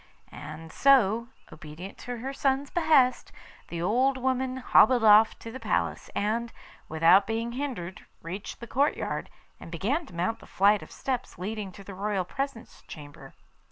And so, obedient to her son's behest, the old woman hobbled off to the palace, and, without being hindered, reached the courtyard, and began to mount the flight of steps leading to the royal presence chamber.